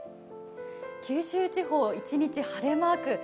九州地方、一日晴れマーク。